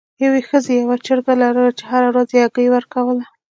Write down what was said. یوې ښځې یوه چرګه لرله چې هره ورځ یې هګۍ ورکوله.